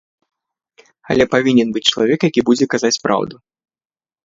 Але павінен быць чалавек, які будзе казаць праўду.